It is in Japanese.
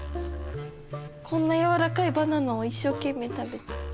こんな軟らかいバナナを一生懸命食べて。